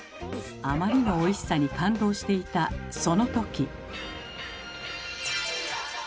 あまりのおいしさに感動していたその時。